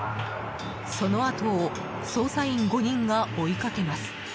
そのあとを捜査員５人が追いかけます。